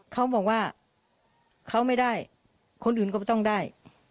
เขาบอกว่าเขาไม่ได้คนอื่นก็ไม่ต้องได้